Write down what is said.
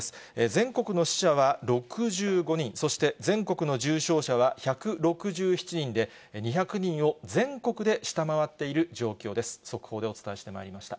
全国の死者は６５人、そして全国の重症者は１６７人で、２００人を全国で下回っている状況です。